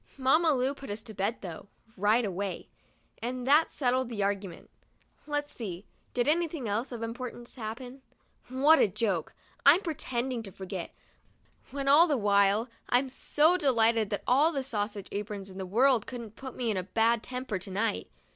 Mamma Lu put us to bed, though, right away, and that settled the argument. Let's see. Did anything else of importance happen ? What a joke! I'm pretending to forget, when all the while I'm so delighted that all the sausage aprons in the world couldn't put me in a bad temper to night.